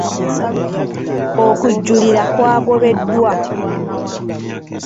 Okujulira kwagobeddwa.